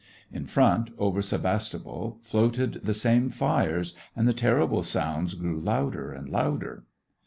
In front, over Sevastopol, floated the same fires, and the terrible sounds grew louder and louder.